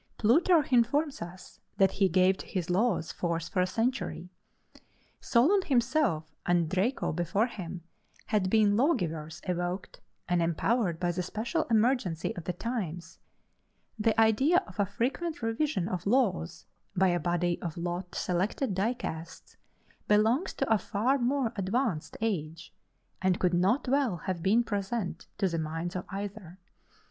Plutarch informs us that he gave to his laws force for a century. Solon himself, and Draco before him, had been lawgivers evoked and empowered by the special emergency of the times: the idea of a frequent revision of laws, by a body of lot selected dicasts, belongs to a far more advanced age, and could not well have been present to the minds of either.